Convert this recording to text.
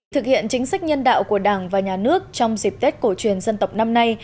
thực hiện chính sách nhân đạo của đảng và nhà nước trong dịp tết cổ truyền dân tộc năm nay